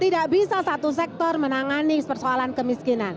tidak bisa satu sektor menangani persoalan kemiskinan